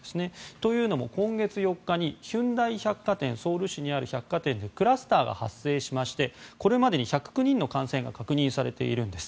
というのも今月４日にヒュンダイ百貨店ソウル市にある百貨店でクラスターが発生しましてこれまでに１０９人の感染が確認されているんです。